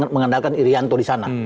mengandalkan irianto di sana